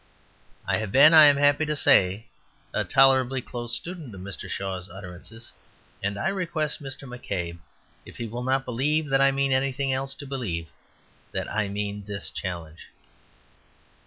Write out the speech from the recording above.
I have been, I am happy to say, a tolerably close student of Mr. Shaw's utterances, and I request Mr. McCabe, if he will not believe that I mean anything else, to believe that I mean this challenge.